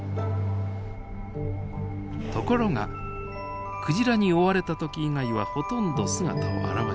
ところがクジラに追われた時以外はほとんど姿を現しません。